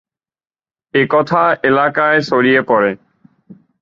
এ কথা এলাকায় ছড়িয়ে পড়ে।